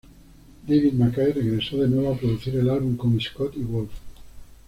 David Mackay regresó de nuevo a producir el álbum con Scott y Wolfe.